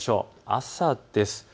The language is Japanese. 朝です。